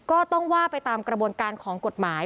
ก็ต้องว่าไปตามกระบวนการของกฎหมาย